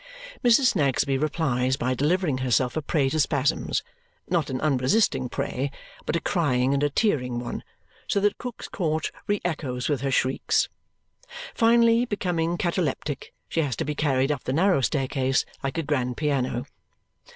Mrs. Snagsby replies by delivering herself a prey to spasms, not an unresisting prey, but a crying and a tearing one, so that Cook's Court re echoes with her shrieks. Finally, becoming cataleptic, she has to be carried up the narrow staircase like a grand piano.